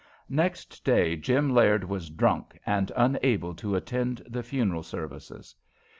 Next day Jim Laird was drunk and unable to attend the funeral services.